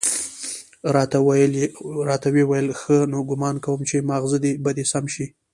راته ويې ويل ښه نو ګومان کوم چې ماغزه به دې سم شوي وي.